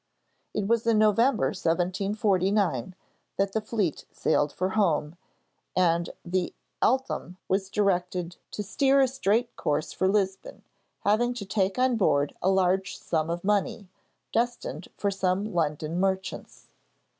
It was in November 1749 that the fleet sailed for home, and the 'Eltham' was directed to steer a straight course for Lisbon, having to take on board a large sum of money, destined for some London merchants.